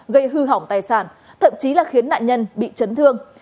gây hư hỏng tài sản thậm chí là khiến nạn nhân bị chấn thương